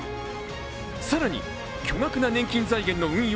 更に巨額な年金財源の運用